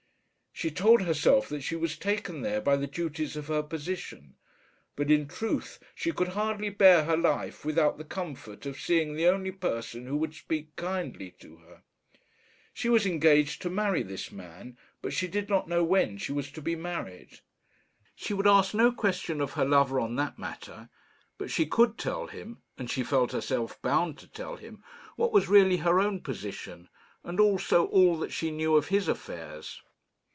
She told herself that she was taken there by the duties of her position; but in truth she could hardly bear her life without the comfort of seeing the only person who would speak kindly to her. She was engaged to marry this man, but she did not know when she was to be married. She would ask no question of her lover on that matter; but she could tell him and she felt herself bound to tell him what was really her own position, and also all that she knew of his affairs.